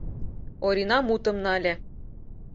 Орина мутым нале.